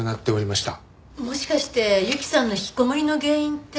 もしかして雪さんの引きこもりの原因って。